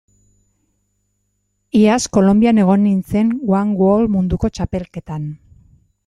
Iaz Kolonbian egon nintzen one wall munduko txapelketan.